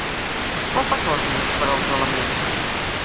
Quan passa l'autobús per els Alamús?